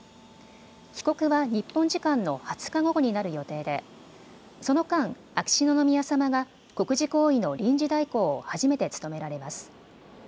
帰国は日本時間の２０日午後になる予定でその間、秋篠宮さまが国事行為の臨時代行を初めて務められます。